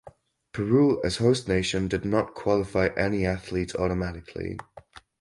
Peru as host nation did not qualify any athletes automatically.